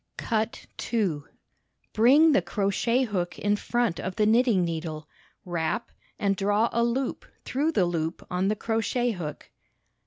Cut 2 2. Bring the crochet hook in front of the knitting needle; wrap, and draw a loop through the loop on the crochet hook.